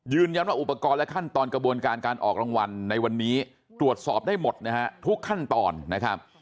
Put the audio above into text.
อุปกรณ์และขั้นตอนกระบวนการการออกรางวัลในวันนี้ตรวจสอบได้หมดนะฮะทุกขั้นตอนนะครับ